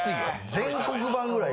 全国版ぐらい。